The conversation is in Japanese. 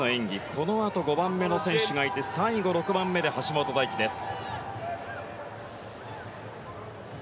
このあと５番目の選手がいて最後６番目で橋本大輝です。